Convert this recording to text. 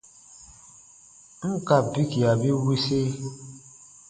N ka bikia bi wisi,